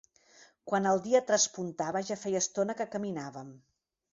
Quan el dia traspuntava ja feia estona que caminàvem.